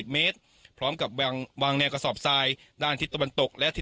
เมตรพร้อมกับวางแงกสอบซายด้านทิตับนตกและทิ